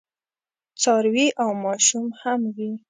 څاروي او ماشوم هم وي.